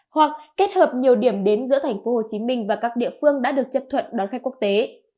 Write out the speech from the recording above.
hoặc kết hợp nhiều điểm đến giữa thành phố hồ chí minh và các địa phương đã được chấp thuận đón khách quốc tế